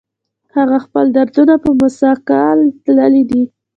هغه خپل دردونه په مثقال تللي دي